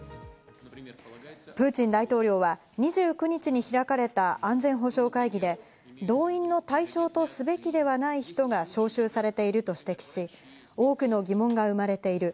プーチン大統領は２９日に開かれた安全保障会議で動員の対象とすべきではない人が招集されていると指摘し、多くの疑問が生まれている。